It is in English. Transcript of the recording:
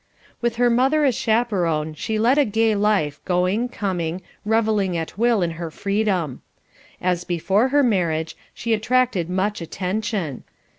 With her mother as chaperon she led a gay life, going, coming, revelling at will in her freedom. As before her marriage, she attracted much attention.